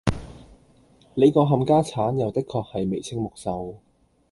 你個冚家鏟又的確係眉清目秀